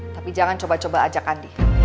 tapi jangan coba coba ajak andi